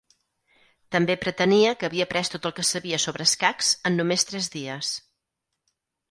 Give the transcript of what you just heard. També pretenia que havia après tot el que sabia sobre escacs en només tres dies.